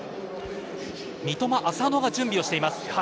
三笘、浅野が準備をしています。